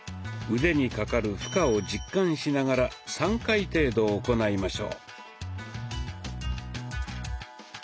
腕にかかる負荷を実感しながら３回程度行いましょう。